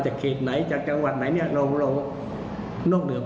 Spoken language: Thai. ห๊ะจริงเหรอ